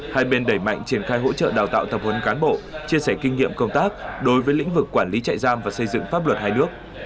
hai bên đẩy mạnh triển khai hỗ trợ đào tạo tập huấn cán bộ chia sẻ kinh nghiệm công tác đối với lĩnh vực quản lý trại giam và xây dựng pháp luật hai nước